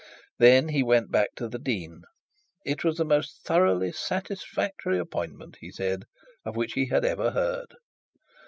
Then he went back to the dean; it was the most thoroughly satisfactory appointment, he said, of which he had ever heard.